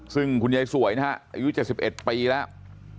ซึ่งคุณยายสวยนะฮะอายุ๗๑ปีแล้ว